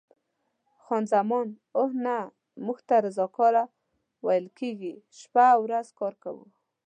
خان زمان: اوه، نه، موږ ته رضاکاره ویل کېږي، شپه او ورځ کار کوو.